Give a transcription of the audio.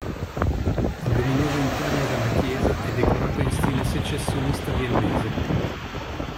Il luminoso interno della chiesa è decorato in stile secessionista viennese.